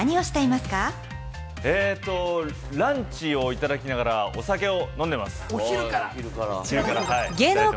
ランチをいただきながらお酒を飲んでます。